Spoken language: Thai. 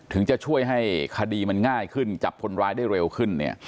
จะช่วยให้คดีมันง่ายขึ้นจับคนร้ายได้เร็วขึ้นเนี่ย